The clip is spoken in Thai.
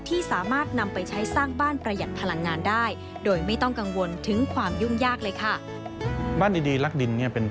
ที่สามารถนำไปใช้สร้างบ้านประหยัดพลังงานได้